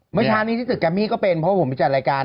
เมื่อเช้านี้ที่ตึกแกมมี่ก็เป็นเพราะว่าผมไปจัดรายการ